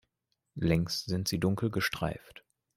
Längs sind sie dunkel gestreift.